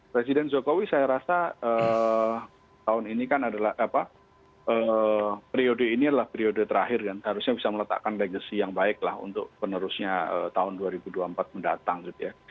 presiden jokowi saya rasa tahun ini kan adalah apa periode ini adalah periode terakhir dan seharusnya bisa meletakkan legacy yang baik lah untuk penerusnya tahun dua ribu dua puluh empat mendatang gitu ya